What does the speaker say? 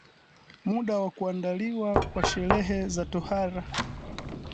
muda wa kuandaliwa kwa sherehe za tohara